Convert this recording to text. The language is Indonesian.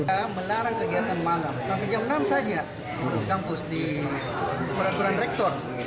kita melarang kegiatan malam sampai jam enam saja kampus di peraturan rektor